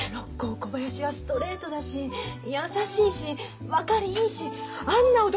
小林はストレートだし優しいし分かりいいしあんな男